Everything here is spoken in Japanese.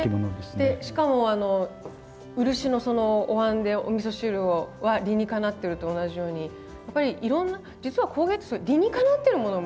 でしかも漆のそのおわんでおみそ汁は理にかなってると同じようにやっぱりいろんな実は工芸って理にかなってるものも。